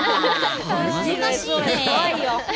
難しいね。